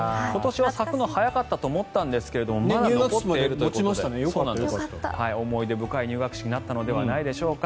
今年は咲くの早かったと思うんですがまだ残っているということで思い出深い入学式になったのではないでしょうか。